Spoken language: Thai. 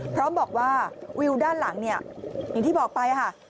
พร้อมบอกว่าวิวด้านหลังเนี่ยอย่างที่บอกไปค่ะ